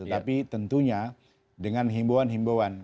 tetapi tentunya dengan himbauan himbauan